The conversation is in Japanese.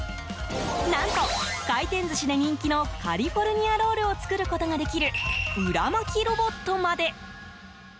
何と、回転寿司で人気のカリフォルニアロールを作ることができる裏巻きロボットまで。